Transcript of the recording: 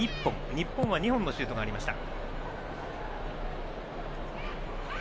日本は２本のシュートがありました。